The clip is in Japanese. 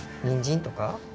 にんじんとか？